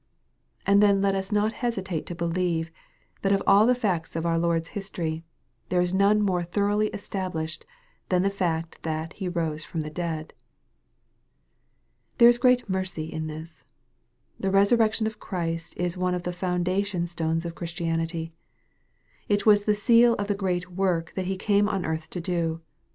And then let us not hesitate to believe, that of all the facts of our Lord's history, there is none more thoroughly established than the fact, that He rose from the dead. There is great mercy in this. The resurrection of Christ is one of the foundation stones of Christianity. It was the seal of the great work that He came on earth to do.